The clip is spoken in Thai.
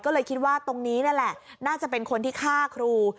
ก็เลยคิดว่าตรงนี้นั่นแหละน่าจะเป็นคนที่ฆ่าครู